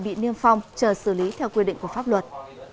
bị niêm phong chờ xử lý theo quy định của pháp luật